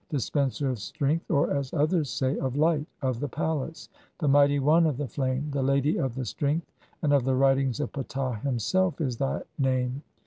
'Dispenser of strength, or as others say, of light, "of the palace (?), the mighty one of the flame, the lady of the "strength and of the writings of Ptah himself, is thy name.